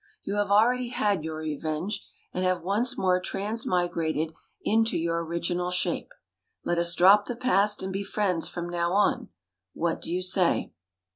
You have already had your revenge, and have once more transmigrated into your original shape, let us drop the past and be friends from now on. What do you say?"